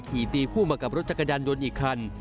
ขี่ตีผู้มากับรถจักรยานยนต์อีกครั้ง